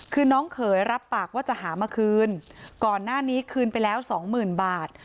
คือน้องเขยรับปากว่าจะหามาคืนก่อนหน้านี้คืนไปแล้วสองหมื่นบาท